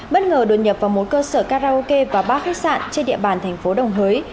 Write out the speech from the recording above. bất ngờ đột nhập vào một cơ sở karaoke và ba khách sạn trên địa bàn thành phố đồng hới